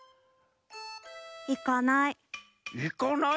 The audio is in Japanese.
いかない。